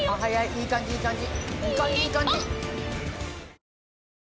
いい感じいい感じ！